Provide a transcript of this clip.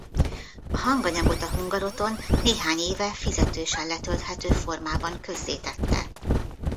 A hanganyagot a Hungaroton néhány éve fizetősen letölthető formában közzétette.